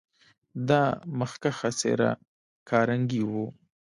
دا مخکښه څېره کارنګي و.